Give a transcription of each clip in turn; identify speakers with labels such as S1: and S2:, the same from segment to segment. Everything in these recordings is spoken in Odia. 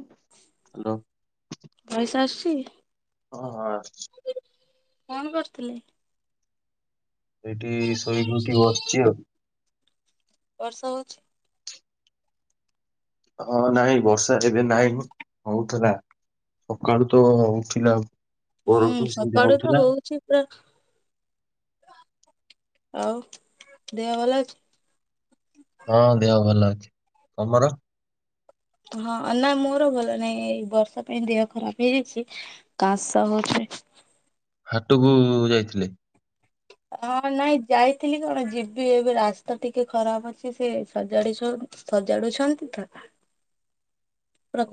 S1: [inaudible]
S2: [inaudible]
S1: [inaudible]
S2: [inaudible]
S1: [inaudible]
S2: [inaudible]
S1: [inaudible] ପରଠୁ ସେମିତି ହଉଥିଲା
S2: [inaudible] [inaudible]
S1: [inaudible]
S2: ହଁ ନା ମୋର ଭଲ ନାଇଁ, ଏଇ ବର୍ଷା ପାଇଁ ଦେହ ଖରାପ ହେଇଯାଇଛି। [inaudible]
S1: [inaudible]
S2: [inaudible] [inaudible]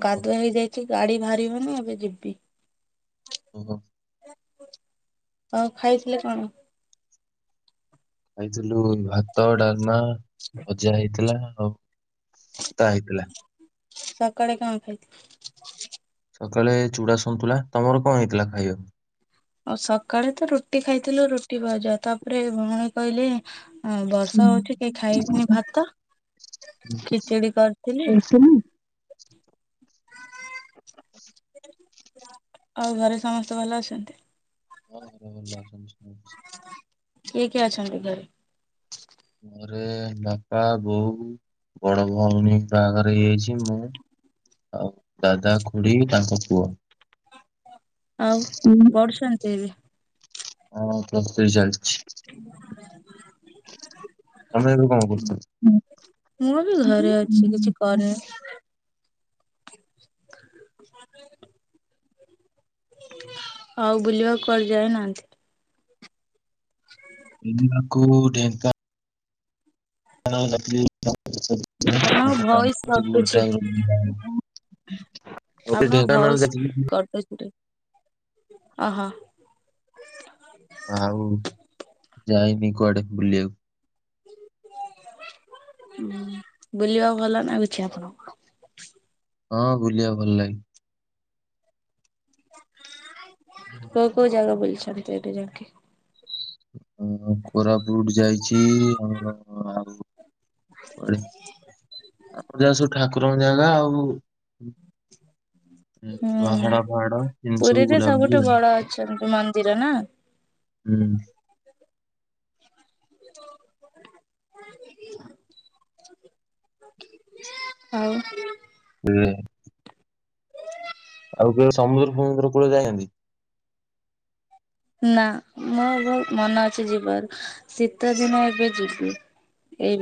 S1: ଓହୋ [inaudible]
S2: [inaudible]
S1: [inaudible] [unintelligible] ହେଇଥିଲା।
S2: [inaudible]
S1: [inaudible]
S2: [inaudible]
S1: ହଁ
S2: [inaudible]
S1: ଘରେ
S2: [inaudible]
S1: [unintelligible]
S2: କିଏ କିଏ ଅଛନ୍ତି ଘରେ?
S1: ଘରେ ବାପା ବୋଉ ବଡ ଭଉଣୀ ବାହାଘରେ ହେଇଯାଇଛି ମୁଁ ଆଉ ଦାଦା ଖୁଡି ତାଙ୍କ ପୁଅ।
S2: ଆଉ ପଢୁଛନ୍ତି ଏବେ।
S1: ହଁ ପ୍ଲସ ଥ୍ରି ଚାଲଛି।
S2: [inaudible]
S1: ତମେ ଏବେ କଣ କରୁଛ?
S2: ମୁଁ ବି ଘରେ ଅଛି କିଛି କରିନି। [inaudible] ଆଉ ବୁଲିବାକୁ କୁଆଡେ ଯାାଇନାହାନ୍ତି।
S1: ବୁଲିବାକୁ ଢେଙ୍କ ହ
S2: ଆପଣଙ୍କ ଭଏସ କଟୁଛି
S1: [unintelligible] [unintelligible]
S2: ଆପଣଙ୍କ ଭଉସ [unintelligible] ଅ ହୋ
S1: ଆଉ ଯାଇନି କୁଆଡେ ବୁଲିବାକୁ।
S2: ବୁଲିବାକୁ ଭଲ ଲାଗୁଛି ଆପଣଙ୍କୁ।
S1: ହଁ ବୁଲିବା ଭଲ ଲାଗେ।
S2: କୋଉ କୋଉ ଜାଗା ବୁଲଛନ୍ତି ଏଇଠି ଯାଇକି।
S1: ହ କୋରାପୁଟ ଯାଇଛି ଆଉ ଆଉ ଯାହା ସବୁ ଠାକୁରଙ୍କ ଜାଗା ଆଉ
S2: ହୁଁ
S1: ପାହାଡ
S2: ହୁଁ
S1: ଫାହାଡ ଏମିତି ସବୁ
S2: ପୁରୀରେ
S1: ବୁଲାବୁଲି
S2: ସବୁଠୁ
S1: ଆଉ
S2: ବଡ ଅଛନ୍ତି ମନ୍ଦିର ନା।
S1: ହୁଁ
S2: [unintelligible] ଆଉ
S1: ହୁଁ ମୁଁ କହିଲି ସମୁଦ୍ର ଫମୁଦ୍ର ସମୁଦ୍ର କୂଳ ଯାଇନାହାନ୍ତି।
S2: ନା ମୋର ବହୁତ ମନେ ଅଛି ଯିବାର ଶୀତ ଦିନ ଏବେ ଯିବି। ଏଇ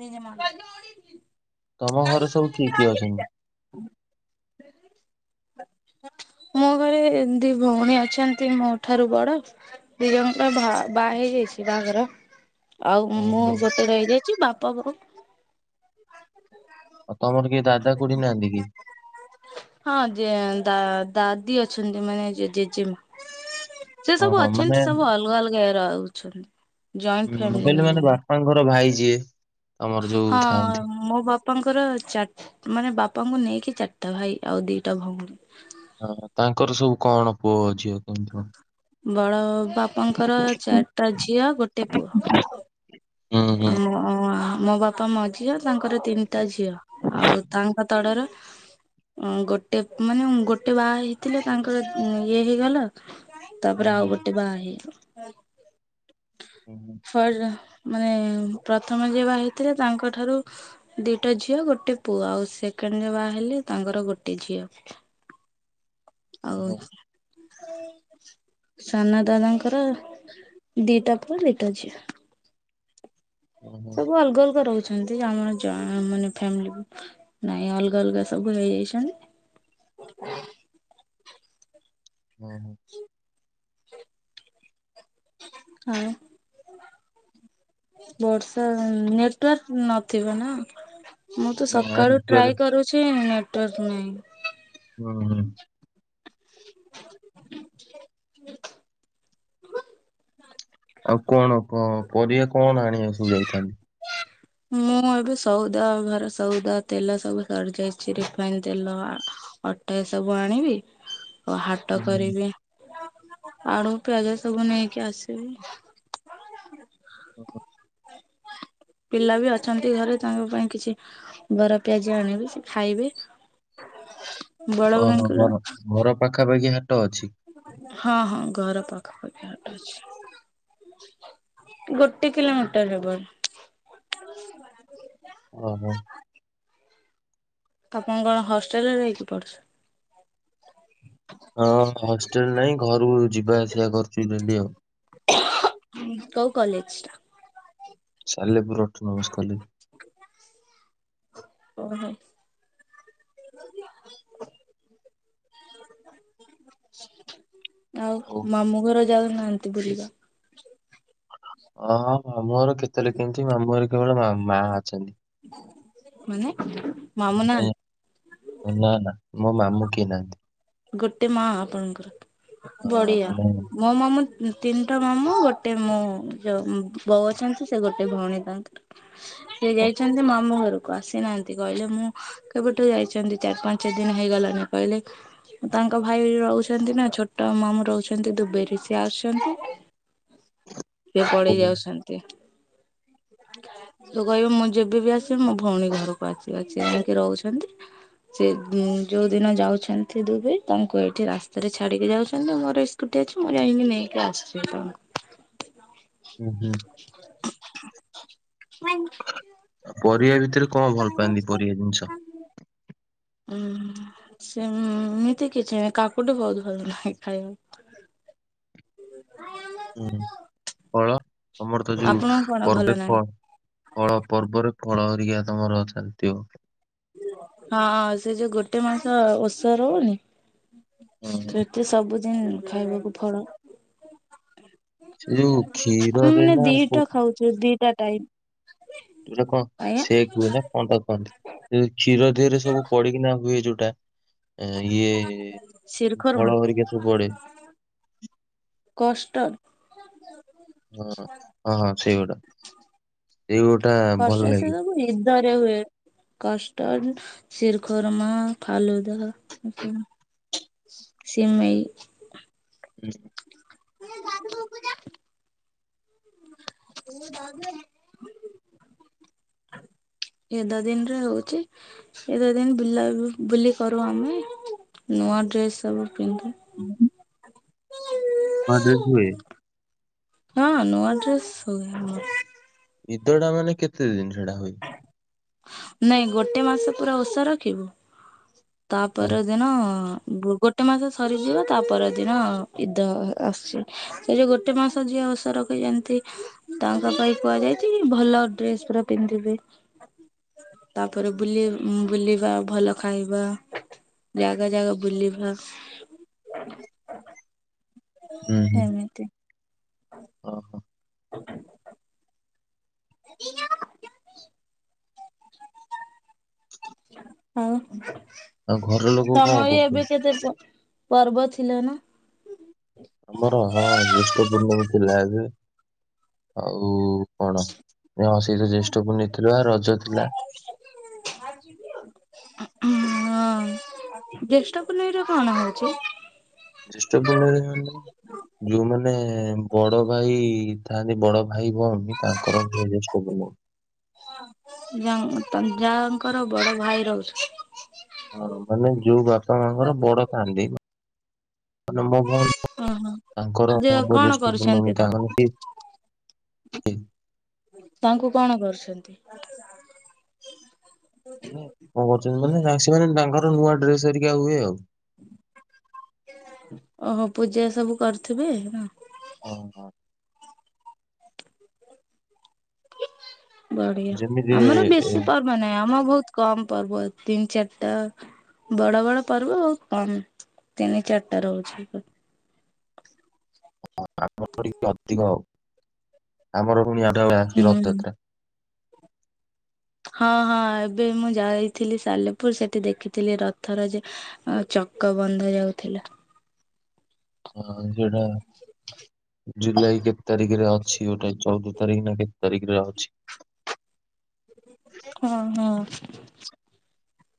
S2: ନିଜମା [unintelligible]
S1: ତମ ଘରେ ସବୁ କିଏ କିଏ ଅଛନ୍ତି?
S2: ମୋ ଘରେ ଦି ଭଉଣୀ ଅଛନ୍ତି ମୋ ଠାରୁ ବଡ। ପ୍ରିୟଙ୍କା ବା ବାହା ହେଇଯାଇଛି ବାହାଘର। ଆଉ ମୁଁ
S1: ଓହୋ।
S2: ଗୋଟେ ରହିଯାଇଛି ବାପା ବୋଉ
S1: ଆଉ ତମର କିଏ ଦାଦା ଖୁଡିି଼ ନାହାନ୍ତି କି?
S2: ହଁ ଯେ ଦା ଦାଦି ଅଛନ୍ତି ମାନେ ଜେ ଜେଜେମା। ସେ
S1: ହଁ
S2: ସବୁ
S1: ହଁ ମାନେ
S2: ଅଛନ୍ତି ସବୁ ଅଲଗା-ଅଲଗା ଇଏ ର ଅଛନ୍ତି। ଜଏଣ୍ଟ ଫ୍ୟାମିଲି ନହିଁ ଆମର
S1: ତାଙ୍କର ଭାଇ ଯିଏ। ତମର ଯୋଉ
S2: ହଁ
S1: ଥାଆନ୍ତି।
S2: ମୋ ବାପାଙ୍କର ଚାଟ୍ ମାନେ ବାପାଙ୍କୁ ନେଇକି ଚାରଟା ଭାଇ ଆଉ ଦିଟା ଭଉଣୀ।
S1: ହଁ ତାଙ୍କର ସବୁ କଣ ପୁଅ ଝିଅ କମିତି କ?
S2: ବଡ଼ ବାପାଙ୍କର ଚାରଟା ଝିଅ ଗୋଟେ ପୁଅ।
S1: ହୁଁ ହୁଁ।
S2: ଆମୋ ଆମ ବାପା ମଝିଆ। ତାଙ୍କର ତିନିଟା ଝିଅ ଆଉ ତାଙ୍କ ତଳର ଅ ଗୋଟେ ମାନେ ଗୋଟେ ବାହା ହେଇଥିଲେ ତାଙ୍କର ଇଏ ହେଇଗଲା
S1: ହୁଁ
S2: ତାପରେ ଆଉ ଗୋଟେ ବାହେଇନ
S1: ହୁଁ ହୁଁ।
S2: ଫଜ ମାନେ ପ୍ରଥମ ଯିଏ ବାହେଇ ଥିଲେ ତାଙ୍କଠାରୁ ଦିଟା ଝିଅ ଗୋଟେ ପୁଅ ଆଉ ସେକେଣ୍ଡ ଯୋବାହେଲେ ତାଙ୍କର ଗୋଟେ ଝିଅ। ଆଉ
S1: ଓହୋ
S2: ସାନ ଦାଦାଙ୍କର ଦିଟା ପୁଅ ଦିଟା ଝିଅ।
S1: ଓହୋ
S2: ସବୁ ଅଲଗା ଅଲଗା ରହୁ ସେମିତି ଆମର ଯଏଁ ମାନେ ଫ୍ୟାମିଲି ବି ନାଇଁ ଅଲଗା ଅଲଗା ସବୁ ହେଇଯାଇଛନ୍ତି।
S1: ଓହୋ।
S2: ଆଁ? ବର୍ଷା ନେଟୱାର୍କ ନଥିବ ନା। ମୁଁ ତ
S1: ନା
S2: ସକାଳୁ
S1: ନେଟୱାର୍କ
S2: ଟ୍ରାଏ କରୁଛି ନେଟୱାର୍କ ନାଇଁ।
S1: ହୁଁ ହୁଁ।
S2: [unintelligible]
S1: ଆଉ କଣ କ ପରିବା କଣ ଆଣିବାକୁ ସବୁ ଯାଇଥାନ୍ତ?
S2: ମୁଁ ଏବେ ସଉଦା ଘରେ ସଉଦା ତେଲ ସବୁ ସରି ଯାଇଛି ରିଫାଇନ ତେଲ ଆ ଅଟା ସବୁ ଆଣିବି। ଓ ହାଟ
S1: ହୁଁ ହୁଁ।
S2: କରିବି ଆଳୁ ପିଆଜ ସବୁ ନେଇକି ଆସିବି।
S1: ଓହୋ।
S2: ପିଲା ବି ଅଛନ୍ତି ଘରେ ତାଙ୍କ ପାଇଁ କିଛି ବରା ପିଆଜି ଆଣିବି ସେ ଖାଇବେ। [inaudible]
S1: ଓହୋ
S2: ଭାଇଙ୍କର
S1: ଘର ଘର ପାଖାପାଖି ହାଟ ଅଛି?
S2: ହଁ ହଁ ଘର ପାଖାପାଖି ହାଟ ଅଛି। ଗୋଟେ କିଲୋମିଟର ହେବ।
S1: ଓହୋ।
S2: ଆପଣ କଣ ହଷ୍ଟେଲରେ ରେ ରହିକି ପଡ଼ୁଛ?
S1: ହଁ ହଷ୍ଟେଲ ନାହିଁ ଘରୁ ଯିବା ଆସିବା କରୁଛି ଡେଲି ଆଉ।
S2: କୋଉ କଲେଜ ଟା?
S1: Salepur autonomous college.
S2: ଓହୋ। [unintelligible]
S1: ହଉ
S2: ଆଉ ମାମୁଁ ଘର ଯାଉନାହାଁନ୍ତି ବୁଲିବା?
S1: ଓହୋ ମାମୁଁ ଘର କେତେବେଳେ କେମିତି ମାମୁଁ ଘରେ କେବଳ ମା ମା ଅଛନ୍ତି।
S2: ମାନେ ମାମୁଁ ନାହାଁ
S1: ଏ ନା ନା ମୋ ମାମୁଁ କିଏ ନାହାଁନ୍ତି।
S2: ଗୋଟେ ମା ଆପଣଙ୍କର
S1: ହଁ
S2: ବଡ଼ିଆ।
S1: ମାନେ
S2: ମୋ ମାମୁଁ ତିନିଟା ମାମୁଁ ଗୋଟେ ମୋ ଯୋଉ ବୋଉ ଅଛନ୍ତି ସେ ଗୋଟେ ଭଉଣୀ ତାଙ୍କର,। ସେ
S1: ତାଙ୍କୁ-
S2: ଯାଇଛନ୍ତି ମାମୁଁ ଘରୁ ଆସିନାହାଁନ୍ତି କହିଲେ ମୁଁ କେବେଠୁ ଯାଇଛନ୍ତି ଚାରି ପାଞ୍ଚ ଦିନି ହେଇଗଲାଣି କହିଲେ ତାଙ୍କ ଭାଇ ରହୁଛନ୍ତି ନା ଛୋଟ ମାମୁଁ ରହୁଛନ୍ତି ଦୁବେଇରେ ସିଏ ଆସୁଛନ୍ତି ସେଏ ପଳେଇ
S1: ହୁଁ
S2: ଯାଉଛନ୍ତି। ତୁ କହିବୁ ମୁଁ ଯେବେ ବିି ଆସିବି ମୋ ଭଉଣୀ ଘରକୁ ଆସିବ ସିଏ ଯାଇକି ରହୁଛନ୍ତି ସେ ଯୋଉ ଦିନ ଯାଉଛନ୍ତି ଦୁବେଇ ତାଙ୍କୁ ଏଇଠି ରାସ୍ତାରେ ଛାଡିକି ଯାଉଛନ୍ତି ମୁଁ ରି ଛୁଟି ଅଛି ମୁଁ ଜାଇଁକି ନେଇକି ଆସିବି ଆପଣଙ୍କୁ।
S1: ହୁଁ ହୁଁ।
S2: ନାଇ।
S1: ଆଉ ପରିବା ଭିତରେ କଣ ଭଲ ପାଆନ୍ତି ପରିବା ଜିନିଷ?
S2: ଉଁ ସେ ଏମିତି କିଛି କାକୁଡି ବହୁତ ଭଲ ପାଏ ଖାଇବାକୁ।
S1: କଣ ତମର ତ ଯୋଉ
S2: ଆପଣଙ୍କୁ କଣ ଭଲ
S1: ପର୍ବେ
S2: ଲାଗେ?
S1: ଫ କଣ ପର୍ବରେ ଫଳ ହେରିକା ତମର ଖାଦ୍ୟ।
S2: ହଁ ସେ ଯୋଉ ଗୋଟେ ମାସ ଓଷା ରହୁନି
S1: ହଁ
S2: ସେ ସେ ସବୁଦିନ ଖାଇବାକୁ ଫଳ।
S1: ସେ ଯୋଉ କ୍ଷୀରରେ ନା କୋଉ
S2: ଯୋଉ ଦିଟା ଟାଇ
S1: ଯୋଉଟା କଣ ସେକ ହୁଏ ନା କଣଟା କୁହନ୍ତି କ୍ଷୀର ଦେହରେ ସବୁ ପଡିକିନା ହୁଏ ଯୋଉଟା। ଆ ଇଏ
S2: ଶିରଖୁର୍ମା
S1: ଫଳ ହେରିକା ସବୁ ପଡେ।
S2: କଷ୍ଟର।
S1: ହଁ ହଁ ହଁ ସେଇଗୋଟା ସେଇଗୋଟା ଭଲ ଲାଗେ।
S2: ଦରେ ହୁଏ। କଷ୍ଟାର୍ ଶିରଖୋରମା ଫାଲୁଦା। ସିମେଇ।
S1: ହୁଁ।
S2: ଗାଧେଇବୁ ପୁରା। [inaudible] ଏ ଦା ଦିନରେ ହଉଛି। ଏତେ ଦିନ ବୁଲାବୁଲି କରୁ ଆମେ ନୂଆ ଡ୍ରେସ ସବୁ ପିନ୍ଧୁ।
S1: ହୁଁ। [inaudible] ହୁଏ।
S2: ହଁ ନୂଆ ଡ୍ରେସ୍ ହୁଏ ଆମର
S1: ଇଦଟା ମାନେ କେତେ ଦିନ ସେଟା ହୁଏ?
S2: ନାଇଁ ଗୋଟେ ମାସ ପୁରା ଓଷା ରଖିବୁ? ତା
S1: ହଁ
S2: ପରଦିନ ଗୋ ଗୋଟେ ମାସ ସରିଯିବ ତା ପର ଦିନ ଇଦ ଆସୁଛି ସେ ଯୋଉ ଗୋଟେ ମାସ ଯିଏ ଓସା ରଖି ଯାନ୍ତି ତାଙ୍କ ପାଇଁ କୁହାଯାଇଛି ଭଲ ଡ୍ରେସ ପୁରା ପିନ୍ଧିବେ। ତାପରେ ବୁଲି ବୁଲିବା ଭଲ ଖାଇବା। ଜାଗା ଜାଗା ବୁଲିବା। ଏମିତି
S1: ଓ ହୋ।
S2: ହ ଏ
S1: ଆଉ ଘର ଲୋକ କଣ
S2: ତମ ଇଏ
S1: କରୁଛନ୍ତି?
S2: ବି କେତେ ସମ ପର୍ବ ଥିଲା ନା?
S1: ଆମର ହଁ ଜ୍ୟେଷ୍ଠ ପୂର୍ଣ୍ଣମୀ ଥିଲା ଏବେ ଆଉ କଣସହିତ ଜ୍ୟେଷ୍ଠ ପୁନେଇଁ ଥିଲା ରଜ ଥିଲା।
S2: ଆଜି ଯିବ ହଁ ଜେଷ୍ଠ ପୁନେଇଁରେ କଣ ହଉଛି?
S1: ଜ୍ୟେଷ୍ଠ ପୁନେଇଁରେ ମାନେ ଯୋଉମାନେ ବଡ ଭାଇ ଥାନ୍ତି ବଡ ଭାଇ ଭଉଣୀ ତାଙ୍କର ହୁଏ ଜେଷ୍ଠ ପୂର୍ଣ୍ଣିମା।
S2: ଯାଆ ଙ୍କ ଯାଆ ଙ୍କର ବଡ ଭାଇ ରହୁ
S1: ହଁ ମାନେ ଯୋଉ ବାପା ମାଙ୍କର ବଡ ଥାଆନ୍ତି ମାନେ ମୋ ଭଉଣୀ।
S2: ଓହୋ
S1: ତାଙ୍କର
S2: ଯେ
S1: ହବ
S2: କଣ
S1: ଜ୍ୟେଷ୍ଠ
S2: କରୁଛନ୍ତି
S1: ପୂର୍ଣ୍ଣମୀ
S2: ତ
S1: ତାଙ୍କର ସେ।
S2: ତାଙ୍କୁ କଣ କରୁଛନ୍ତି।
S1: ମାନେ କଁ କରୁଛନ୍ତି ମାନେ ସେ ମାନେ ତାଙ୍କର ନୂଆ ଡ୍ରେସ ହରିକି ହୁଏ ଆଉ।
S2: ଓହୋ ପୂଜା ସବୁ କରୁଥିବେ ନା।
S1: ହଁ। ହଁ।
S2: ବଢିଆ
S1: ଯେମିତି
S2: ଆମର
S1: ଏ
S2: ବେଶୀ ପର୍ବ ନାହିଁ ଆମର ବହୁତ କମ ପର୍ବ ତିନି ଚାରିଟା। ବଡ ବଡ ପର୍ବ ବହୁତ କମ୍ ତିନି ଚାରିଟା ରହୁଛି।
S1: ଆମର ଟିକେ ଅଧିକ ଆଉ ଆମର ପୁଣି ଆଉଟା ଆଉଛି
S2: ହୁଁ
S1: ରଥଯାତ୍ରା।
S2: ହଁ ହଁ ଏବେ ମୁଁ ଯାଇଥିଲି ସାଲେପୁର ସେଠି ଦେଖିଥିଲି ରଥର ଯେ। ଆ ଚକ ବନ୍ଧା ଯାଉଥିଲା।
S1: ହଁ ସେଟା ଜୁଲାଇ କେତେ ତାରିଖରେ ଅଛି। ଗୋଟା ଚଉଦ। ତାରଖି ନା କେତେ ତରିଖି ରେ ଅଛି।
S2: ହଁ ହଁ।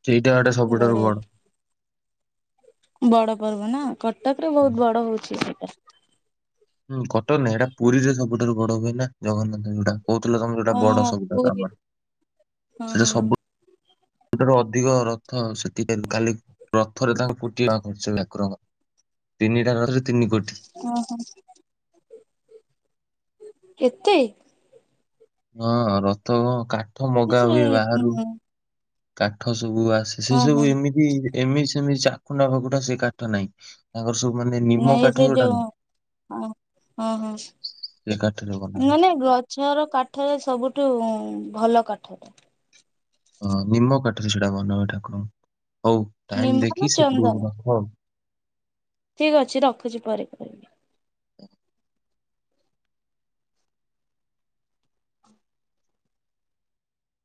S1: ସେଇଟା ଗୋଟେ ସବୁଠାରୁୁ
S2: ବଢିଆ।
S1: ବଡ।
S2: ବଡ ପର୍ବ ନା କଟକରେ ବହୁତ ବଡ ହଉଛି ସେଟା।
S1: ହୁଁ କଟକ ରେ ନାହିଁ ଏଇଟା ପୁରୀରେ ସବୁଠାରୁ ବଡ ହୁଏ ନା ଜଗନ୍ନାଥଙ୍କ ଯୋଉଟା। କହୁଥିଲ ତମେ ଯୋଉଟା ବଡ
S2: ଓହୋ
S1: ସବୁଠାରୁ
S2: ପୁରୀ
S1: ଆମର
S2: ହଁ ହଁ
S1: ସେଟା ସବୁ ଠାରୁ ଅଧିକ ରଥ ସେଥିପାଇଁ କାଲି। ରଥରେ ତାଙ୍କର କୋଟିଏ ଟଙ୍କା ଖର୍ଚ୍ଚ ଠାକରଙ୍କ ର ତିନିଟା ରଥରେ ତିନି କୋଟି।
S2: ଓହୋ ଏତେ।
S1: ହଁ ରଥ କଁ କାଠ ମଗା
S2: ସେ
S1: ହୁଏ ବାହାରୁ।
S2: ହୁଁ।
S1: କାଠ ସବୁ ଆସେ ସେ
S2: ଓହୋ
S1: ସବୁ ଏମିତି। କି ଏମିତି ସେମିତି ଚାଖୁଣ୍ଡା ଫାକୁଣ୍ଡା ସେ କାଠ ନାହିଁ। ତାଙ୍କର ସବୁ ମାନେ ନିମ
S2: ନାଇଁ ସେ
S1: କାଠ ଯୋଉଟା
S2: ଯୋଉ
S1: ନୁଅ।
S2: ହଁ ହଁ ହଁ
S1: ସେ କାଠରେ ବନା ହୁଏ।
S2: ମାନେ ଗ ଗଛ ର କାଠରେ ସବୁଠୁ ଭଲ କାଠଟା।
S1: ହଁ ନିମ କାଠରେ ସେଟା ବନା ହୁଏ ଠାକୁରଙ୍କୁ ହଉ ଟାଇମ
S2: ନିମ୍ବ ନା
S1: ଦେଖି ସେପଟୁ
S2: ଚନ୍ଦନ
S1: ରଖ ଆଉ।
S2: ଠିକ ଅଛି ରଖୁଛି ପରେ କରିବି।